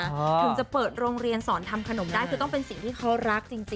ถึงจะเปิดโรงเรียนสอนทำขนมได้คือต้องเป็นสิ่งที่เขารักจริง